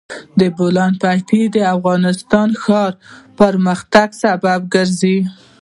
د بولان پټي د افغانستان د ښاري پراختیا سبب کېږي.